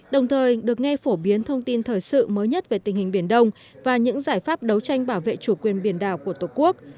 đồng thời được nghe phổ biến thông tin thời sự mới nhất về tình hình biển đông và những giải pháp đấu tranh bảo vệ chủ quyền biển đảo của tổ quốc